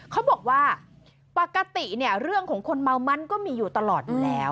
เขาบอกว่าปกติเนี่ยเรื่องของคนเมามันก็มีอยู่ตลอดอยู่แล้ว